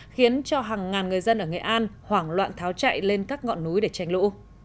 khiến cho hàng ngàn người dân ở nghệ an hoảng loạn tháo chạy lên các ngọn núi để tranh lũ